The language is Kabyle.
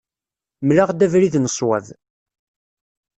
Mel-aɣ-d abrid n ṣṣwab.